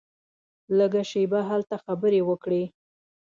لږه شېبه هلته خبرې وکړې.